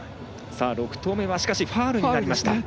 ６投目はファウルになりました。